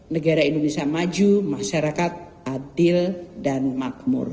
negara indonesia maju masyarakat adil dan makmur